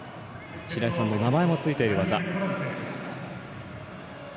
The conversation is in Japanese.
白井さんの名前もついている技。